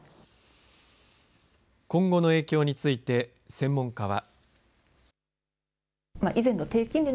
今後の影響について専門家は。